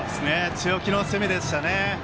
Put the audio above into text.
強気の攻めでしたね。